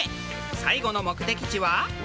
最後の目的地は。